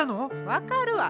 分かるわ。